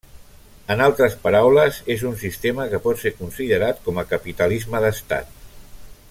En altres paraules, és un sistema que pot ser considerat com a capitalisme d'Estat.